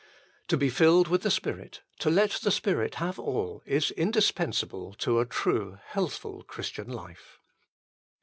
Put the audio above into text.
To be filled with the Spirit, to let the Spirit have All, is indispensable to a true, healthful Christian life.